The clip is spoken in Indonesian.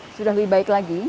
karena sudah lebih baik lagi